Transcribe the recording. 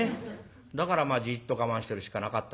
だからじっと我慢してるしかなかったんでね